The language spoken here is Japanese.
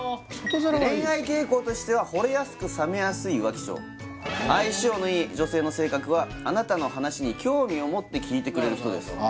恋愛傾向としてはほれやすくさめやすい浮気性相性のいい女性の性格はあなたの話に興味を持って聞いてくれる人ですあ